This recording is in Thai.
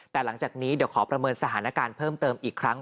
แต่หลังจากนี้เดี๋ยวขอประเมินสถานการณ์เพิ่มเติมอีกครั้ง